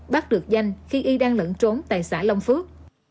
bắt được danh khi y đang lẫn trốn tại xã long phước